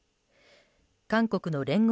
韓国の聯合